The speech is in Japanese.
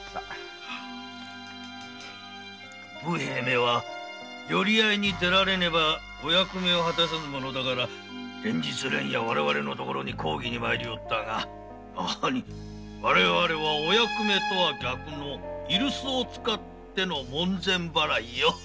武兵衛めは寄合に出られねばお役目を果たせぬものだから連日連夜我々のところへ抗議に参りおったが我々はお役目とは逆の居留守をつかっての門前払いよ。